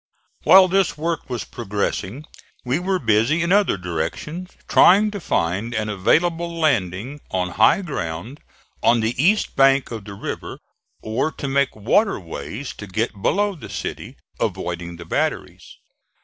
While this work was progressing we were busy in other directions, trying to find an available landing on high ground on the east bank of the river, or to make water ways to get below the city, avoiding the batteries.